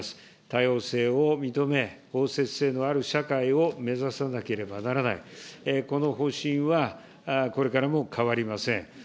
多様性を認め、包摂性のある社会を目指さなければならない、この方針は、これからも変わりません。